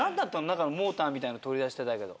中のモーターみたいの取り出してたけど。